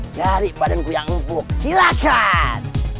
cari badanku yang empuk silahkan